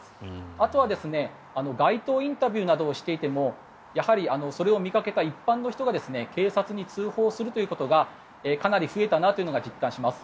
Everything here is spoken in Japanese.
あとは街頭インタビューなどをしていてもそれを見かけた一般の人が警察に通報するということがかなり増えたなというのが実感します。